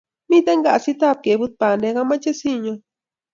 Miten kasit ab keput bandek amache sinyon